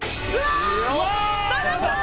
設楽さん